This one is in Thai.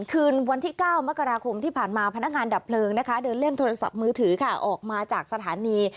คืนวันที่๙มกราคมที่ผ่านมาพนักงานดับเพลิงนะคะเดินเล่นโทรศัพท์มือถือค่ะออกมาจากสถานี